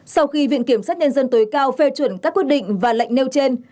sau khi viện kiểm sát nhân dân tối cao phê chuẩn các quyết định và lệnh nêu trên